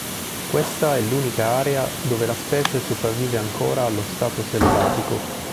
Questa è l'unica area dove la specie sopravvive ancora allo stato selvatico.